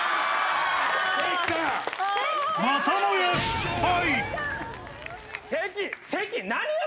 またもや失敗。